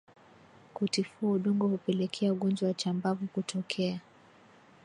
Kutifua udongo hupelekea ugonjwa wa chambavu kutokea